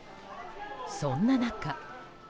そんな中。